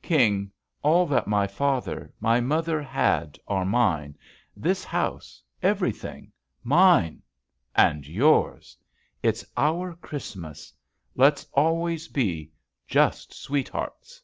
King, all that my father, my mother had are mine — this house — every thing — mine and yours. It's our Christmas 1 Let's always be *just sweethearts'."